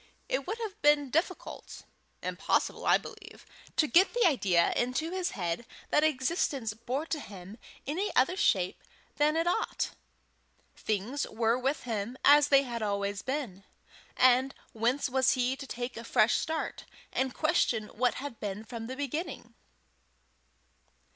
It would have been difficult impossible, I believe to get the idea into his head that existence bore to him any other shape than it ought. Things were with him as they had always been, and whence was he to take a fresh start, and question what had been from the beginning?